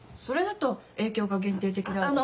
それだと影響が限定的で。